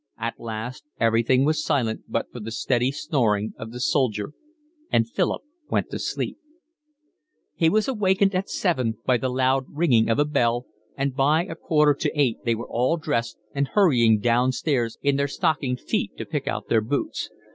At last everything was silent but for the steady snoring of the soldier, and Philip went to sleep. He was awaked at seven by the loud ringing of a bell, and by a quarter to eight they were all dressed and hurrying downstairs in their stockinged feet to pick out their boots.